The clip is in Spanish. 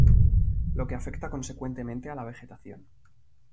Lo que afecta consecuentemente a la vegetación.